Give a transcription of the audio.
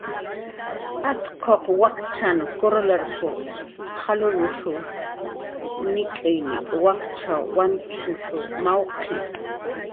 "Atquq wakchan kurralp""r purshuq nik'iy nik' wakchw wantshush mawqi"